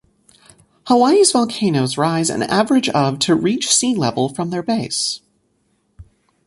Hawaii's volcanoes rise an average of to reach sea level from their base.